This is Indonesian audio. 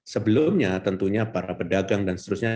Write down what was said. sebelumnya tentunya para pedagang dan seterusnya